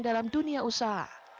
dalam dunia usaha